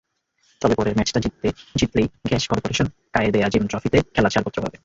তবে পরের ম্যাচটা জিতলেই গ্যাস করপোরেশন কায়েদ-এ-আজম ট্রফিতে খেলার ছাড়পত্র পাবে।